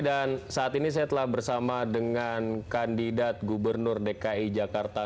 dan saat ini saya telah bersama dengan kandidat gubernur dki jakarta